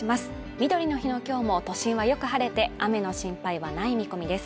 みどりの日の今日も都心はよく晴れて、雨の心配はない見込みです。